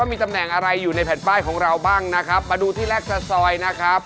มีตำแหน่งอะไรอยู่ในแผ่นป้ายของเราบ้างนะครับมาดูที่แรกตะซอยนะครับ